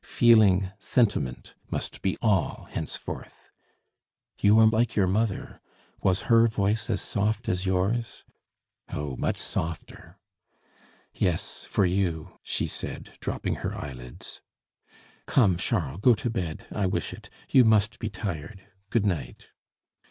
Feeling, sentiment, must be all henceforth." "You are like your mother, was her voice as soft as yours?" "Oh! much softer " "Yes, for you," she said, dropping her eyelids. "Come, Charles, go to bed; I wish it; you must be tired. Good night."